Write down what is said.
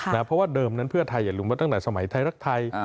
เพราะว่าเดิมนั้นเพื่อไทยอย่าลืมมาตั้งแต่สมัยไทยรักไทย